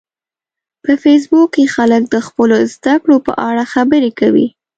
په فېسبوک کې خلک د خپلو زده کړو په اړه خبرې کوي